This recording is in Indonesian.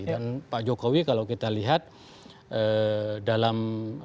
dan pak jokowi kalau kita lihat dalam